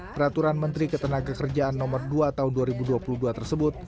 peraturan menteri ketenagakerjaan nomor dua tahun dua ribu dua puluh dua tersebut